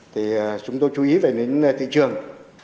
thì chúng tôi chú ý về những thị trường